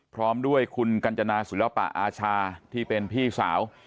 พร้อมด้วยคุณกัญจนาศิลปะอาชาที่เป็นพี่สาว